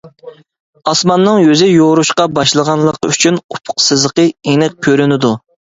ئاسماننىڭ يۈزى يورۇشقا باشلىغانلىقى ئۈچۈن ئۇپۇق سىزىقى ئېنىق كۆرۈنىدۇ.